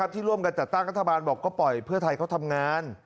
ที่ร่วมกันจัดตั้งรัฐบาลบอกก็ปล่อยเพื่อไทยเขาทำงาน